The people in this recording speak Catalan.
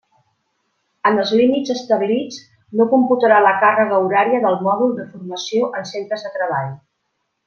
En els límits establits no computarà la càrrega horària del mòdul de Formació en Centres de Treball.